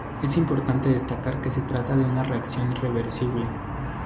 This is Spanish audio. Es importante destacar que se trata de una reacción reversible.